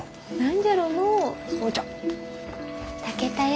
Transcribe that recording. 炊けたよ。